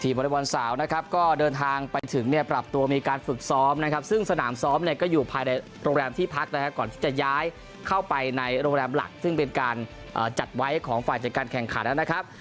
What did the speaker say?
บริบอลสาวนะครับก็เดินทางไปถึงเนี่ยปรับตัวมีการฝึกซ้อมนะครับซึ่งสนามซ้อมเนี่ยก็อยู่ภายในโรงแรมที่พักนะครับก่อนที่จะย้ายเข้าไปในโรงแรมหลักซึ่งเป็นการจัดไว้ของฝ่ายจัดการแข่งขันนะครับ